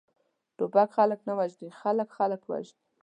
ټوپک خلک نه وژني، خلک، خلک وژني!